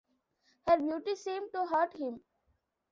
Her beauty seemed to hurt him.